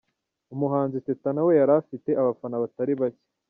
Umuhanzi Teta nawe yari afite abafana batari bacye.